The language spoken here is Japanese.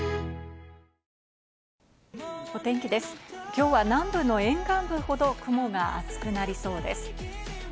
今日は南部の沿岸部ほど雲が厚くなりそうです。